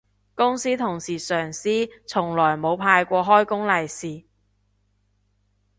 公司同事上司從來冇派過開工利是